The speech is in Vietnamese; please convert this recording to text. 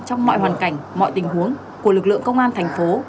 trong mọi hoàn cảnh mọi tình huống của lực lượng công an thành phố